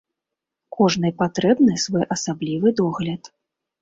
Кожнай патрэбны свой асаблівы догляд.